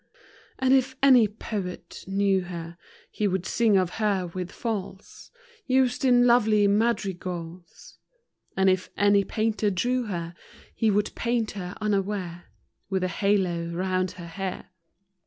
And if any poet knew her, He would sing of her with falls Used in lovely madrigals. / And if any painter drew her, He would paint her unaware With a halo round her hair.